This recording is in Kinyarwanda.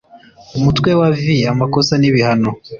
umutwe wa vi amakosa n’ibihano